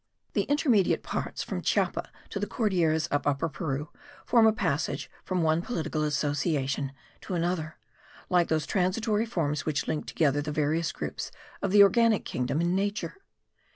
The intermediate parts from Chiapa to the Cordilleras of Upper Peru form a passage from one political association to another, like those transitory forms which link together the various groups of the organic kingdom in nature.